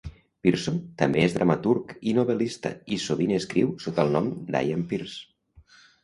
Pierson també és dramaturg i novel·lista, i sovint escriu sota el nom d'Ian Pierce.